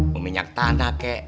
mau minyak tanah kek